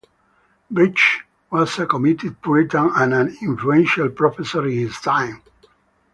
Briggs was a committed puritan and an influential professor in his time.